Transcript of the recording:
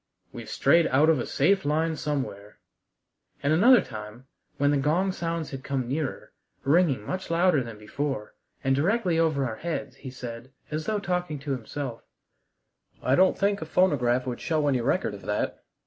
"We've strayed out of a safe line somewhere." And another time, when the gong sounds had come nearer, ringing much louder than before, and directly over our heads, he said, as though talking to himself: "I don't think a phonograph would show any record of that.